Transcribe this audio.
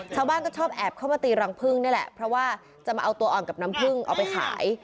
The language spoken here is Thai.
ชาวบ้านก็ชอบแอบเข้ามาตีรังพึ่งนี่แหละเพราะว่าจะมาเอาตัวอ่อนกับน้ำผึ้งเอาไปขาย